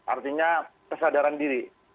artinya kesadaran diri